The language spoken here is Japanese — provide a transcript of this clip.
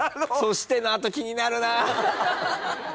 「そして」の後気になるな。